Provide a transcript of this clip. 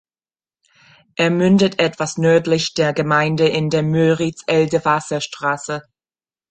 Er mündet etwas nördlich der Gemeinde in die Müritz-Elde-Wasserstraße.